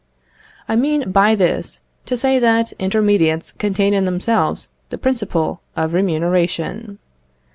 I mean by this to say that intermediates contain in themselves the principle of remuneration.